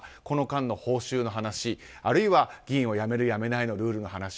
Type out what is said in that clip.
この間の報酬の話あるいは、議員を辞める、辞めないのルールの話